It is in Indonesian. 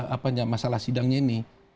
apanya masalah sidangnya ini